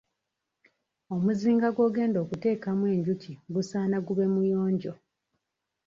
Omuzinga gw'ogenda okuteekamu enjuki gusaana gube muyonjo.